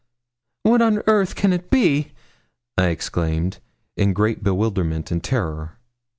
'What on earth can it be?' I exclaimed, in great bewilderment and terror.